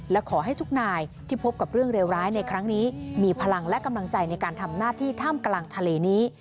และขอให้ทุกนายที่พบกับเรื่องเลวร้ายในครั้งนี้มีพลังและกำลังใจในการทำหน้าที่ท่ามกลางทะเลนี้